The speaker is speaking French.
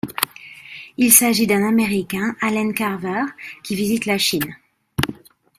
Il s'agit d'un américain, Allen Carver, qui visite la Chine.